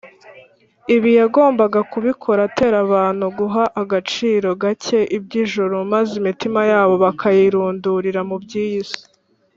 . Ibi yagombaga kubikora atera abantu guha agaciro gake iby’ijuru, maze imitima yabo bakayirundurira mu by’iyi si.